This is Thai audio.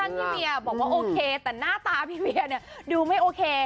แคปชั่นพี่เวียบอกว่าโอเคแต่หน้าตาพี่เวียดูไม่โอเค